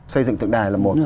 xây dựng tượng đài là một